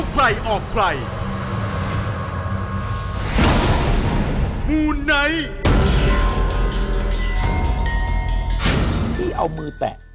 พี่เอามือแตะ